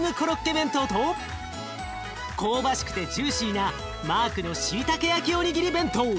弁当と香ばしくてジューシーなマークのしいたけ焼きおにぎり弁当。